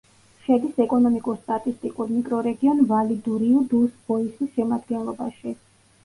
შედის ეკონომიკურ-სტატისტიკურ მიკრორეგიონ ვალი-დუ-რიუ-დუს-ბოისის შემადგენლობაში.